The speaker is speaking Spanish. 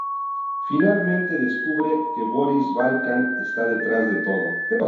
Finalmente descubre, que Boris Balkan está detrás de todo.